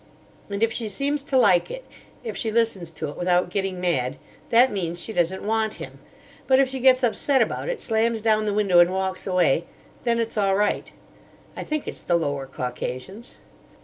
And if she seems to like it—if she listens to it without getting mad, that means she doesn't want him. But if she gets upset about it—slams down the window and walks away, then it's all right. I think it's the Lower Caucasians."